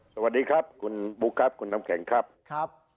สวัสดีครับคุณบุ๊คครับคุณน้ำแข็งครับ